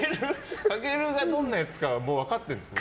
翔がどんなやつか分かってるんですか。